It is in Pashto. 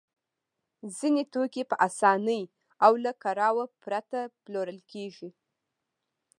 ځینې توکي په اسانۍ او له کړاوه پرته پلورل کېږي